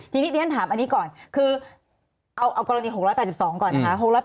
ทีนี้เรียนถามอันนี้ก่อนคือเอากรณี๖๘๒ก่อนนะคะ